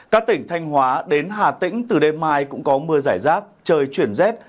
các tỉnh thanh hóa đến hà tĩnh từ đêm mai cũng có mưa giải rác trời chuyển rét